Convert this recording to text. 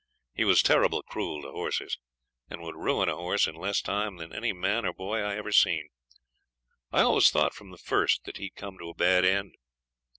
He was terrible cruel to horses, and would ruin a horse in less time than any man or boy I ever seen. I always thought from the first that he'd come to a bad end.